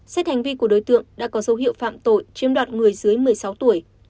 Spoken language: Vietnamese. xét hành vi của đối tượng đã có dấu hiệu phạm tội chiếm đoạt người dưới một mươi sáu tuổi